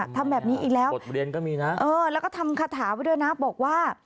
ทำแบบนี้อีกแล้วเออแล้วก็ทำคาถาไว้ด้วยนะบอกว่า